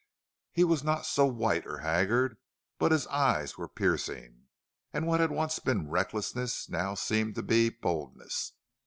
He was not so white or haggard, but his eyes were piercing, and what had once been recklessness now seemed to be boldness.